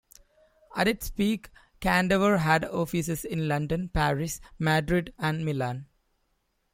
At its peak Candover had offices in London, Paris, Madrid and Milan.